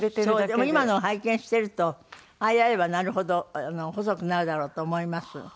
でも今のを拝見してるとああやればなるほど細くなるだろうと思います。